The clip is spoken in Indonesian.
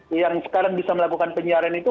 yang sekarang bisa melakukan penyiaran itu